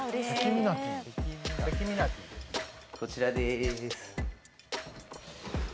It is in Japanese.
こちらでーす。